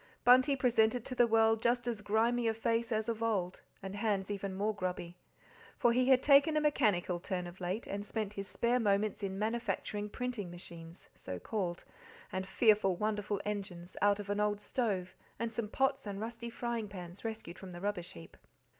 Bunty presented to the world just as grimy a face as of old, and hands even more grubby, for he had taken a mechanical turn of late, and spent his spare moments in manufacturing printing machines so called and fearful and wonderful engines, out of an old stove and some pots and rusty frying pans rescued from the rubbish heap.